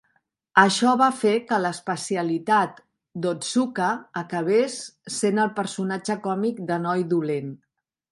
Això va fer que l'especialitat d'Otsuka acabés sent el personatge còmic de "noi dolent".